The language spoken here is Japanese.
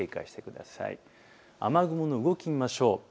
雨雲の動き、見ましょう。